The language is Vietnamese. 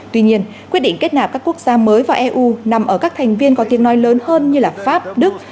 tuy nhiên quyết định kết nạp các quốc gia mới vào eu nằm ở các thành viên có tiếng nói lớn hơn như pháp đức